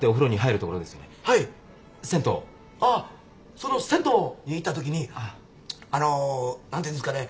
その銭湯に行ったときにあのー何ていうんですかね。